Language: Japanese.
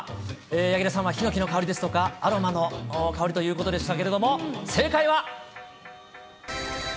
柳楽さんはヒノキの香りですとか、アロマの香りということでしたけれども、正解は。